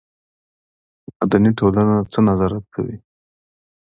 مدني ټولنه څه نظارت کوي؟